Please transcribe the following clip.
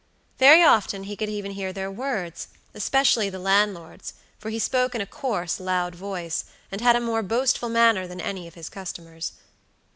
Very often he could even hear their words, especially the landlord's, for he spoke in a coarse, loud voice, and had a more boastful manner than any of his customers.